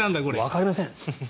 わかりません。